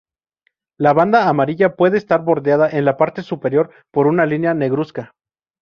La banda amarilla puede estar bordeada en la parte superior por una línea negruzca.